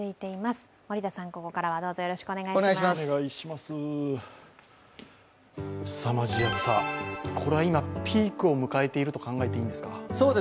すさまじい暑さ、これは今、ピークを迎えていると考えていいんですか。